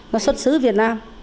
nó xuất xứ việt nam